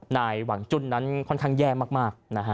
นายหวังจุ้นนั้นค่อนข้างแย่มากนะฮะ